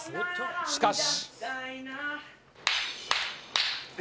しかし。